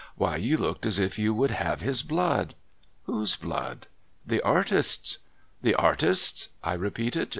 ' Why, you looked as if you would have his blood.' ' Whose blood ?'' The artist's.' ' The artist's ?' I repeated.